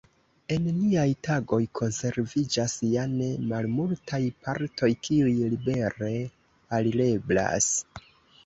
En niaj tagoj konserviĝas ja ne malmultaj partoj kiuj libere alireblas.